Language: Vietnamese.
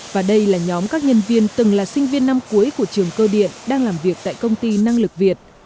và đây là nhóm các nhân viên từng là sinh viên năm cuối của trường cơ điện đang làm việc tại công ty năng lực việt